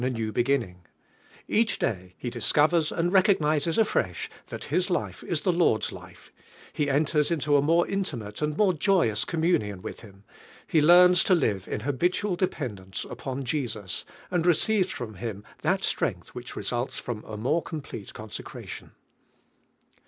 1 n, iv beginning, Each day he rlisriivfi s and recognises afresh thai his life is the Lord's life; he enters into a more intimate and more joyous coiiiiiiim! ion with Him; he lenrns to live jn liahit ual depeudance upon Jesus, a.nrl receives from Him that strength which.. remits from a more complete consecra tion.